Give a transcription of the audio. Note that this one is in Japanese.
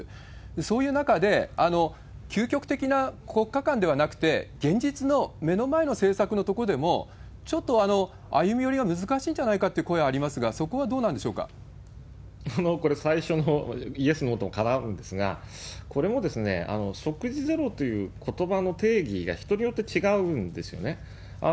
そういう中で、究極的な国家間ではなくて、現実の目の前の政策のとこでも、ちょっと歩み寄りは難しいんじゃないかという声ありますが、そここれ、最初のイエス、ノーと絡むんですが、これも即時ゼロということばの定義が人によって違うんですよね。